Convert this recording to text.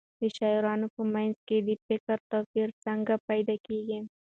د شاعرانو په منځ کې د فکر توپیر څنګه پیدا کېږي؟